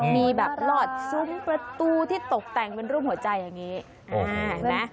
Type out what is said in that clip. มีแบบรอดซุ้มประตูที่ตกแต่งเป็นรูปหัวใจอย่างนี้เห็นไหม